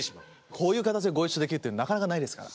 こういう形でご一緒できるってなかなかないですから。